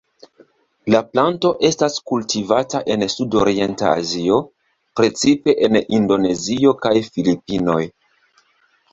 La planto estas kultivata en sudorienta Azio, precipe en Indonezio kaj Filipinoj.